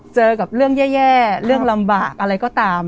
เจอกับเรื่องแย่เรื่องลำบากอะไรก็ตาม